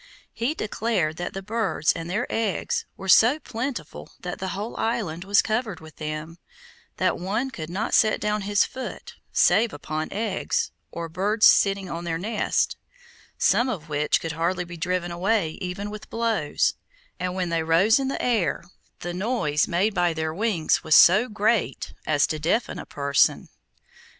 He declared that the birds and their eggs were so plentiful that the whole island was covered with them; that one could not set down his foot, save upon eggs, or birds sitting on their nests, some of which could hardly be driven away even with blows, and when they rose in the air, the noise made by their wings was so great as to deafen a person.